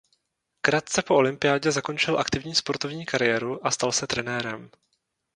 Krátce po olympiádě zakončil aktivní sportovní kariéru a stal se trenérem.